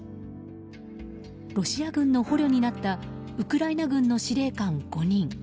ロシア軍の捕虜になったウクライナ軍の司令官５人。